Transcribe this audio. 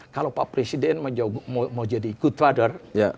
kalau pak presiden mau jadi good father